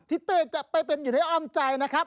เป้จะไปเป็นอยู่ในอ้อมใจนะครับ